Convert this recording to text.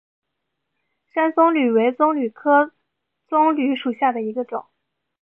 山棕榈为棕榈科棕榈属下的一个种。